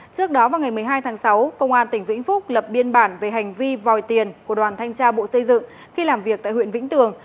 trước đó vào ngày một mươi hai tháng sáu công an tỉnh vĩnh phúc lập biên bản về hành vi vòi tiền của đoàn thanh tra bộ xây dựng khi làm việc tại huyện vĩnh tường